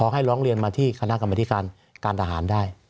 ให้ร้องเรียนมาที่คณะกรรมธิการการทหารได้